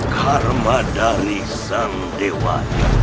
karma dari sang dewa